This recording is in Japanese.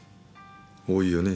多いよね